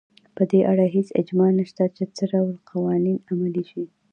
په دې اړه هېڅ اجماع نشته چې څه ډول قوانین عملي شي.